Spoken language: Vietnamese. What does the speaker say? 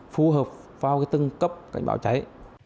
phù hợp vào tương cấp cảnh bão cháy